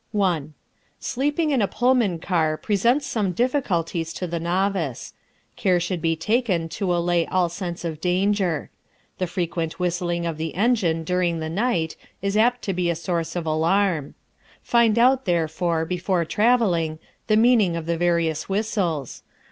1. Sleeping in a Pullman car presents some difficulties to the novice. Care should be taken to allay all sense of danger. The frequent whistling of the engine during the night is apt to be a source of alarm. Find out, therefore, before travelling, the meaning of the various whistles.